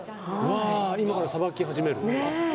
今から、さばき始める。